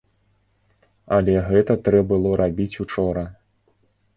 Але гэта трэ было рабіць учора.